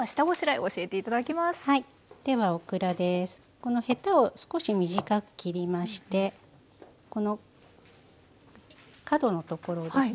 このヘタを少し短く切りましてこの角のところですね。